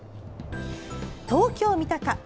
東京・三鷹。